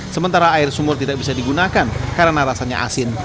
sementara air sumur tidak bisa digunakan karena rasanya asin